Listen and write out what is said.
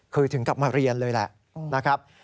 คือถึงกลับมาเรียนเลยแหละนะครับ